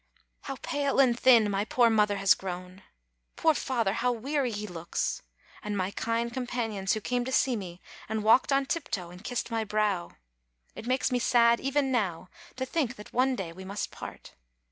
How pale and thin my poor mother has grown! Poor father! how weary he looks! And my kind companions who came to see me and walked on tiptoe and kissed my brow ! It makes me sad, even now, to think that one day we must part.